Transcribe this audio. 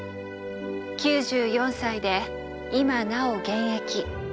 ９４歳で今なお現役。